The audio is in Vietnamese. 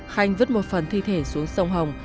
khanh vứt một phần thi thể xuống sông hồng